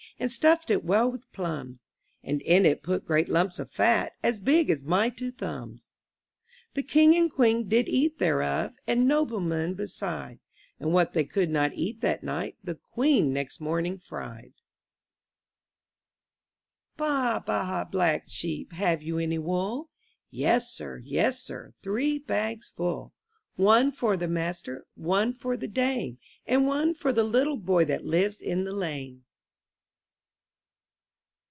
And stuffed it well with plums; And in it put great lumps of fat, As big as my two thumbs. The king and queen did eat thereof. And noblemen beside; And what they could not eat that night, The queen next morning fried. 44 I N THE NURSERY D AA, baa, black sheep, have you any wool? ■^ Yes sir, yes sir, three bags full; One for the master, one for the dame, And one for the little boy that lives in the lane.